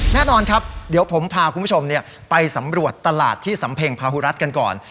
แน่นอนครับเดี๋ยวผมพาคุณผู้ชมไปสำรวจตลาดที่สำเพ็งพาหุรัฐกันก่อน